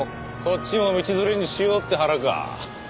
こっちも道連れにしようって腹か。